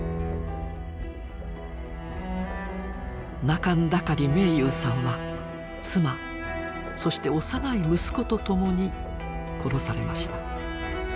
仲村渠明勇さんは妻そして幼い息子と共に殺されました。